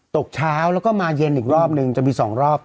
ตกเช้าแล้วก็มาเย็นอีกรอบนึงจะมี๒รอบ